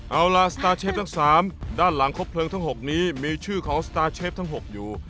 เอาล่ะสตาร์เชฟทั้ง๓ด้านหลังครบเพลิงทั้ง๖นี้มีชื่อของสตาร์เชฟทั้ง๖อยู่